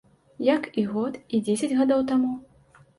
Як і год, і дзесяць гадоў таму.